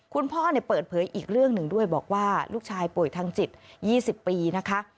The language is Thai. คุณพ่อเปิดเผยอีกเรื่องหนึ่งด้วยบอกว่าลูกชายป่วยทางจิต๒๐ปีนะคะ